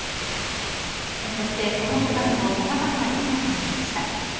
そしてこの他にもさまざまな出来事がありました。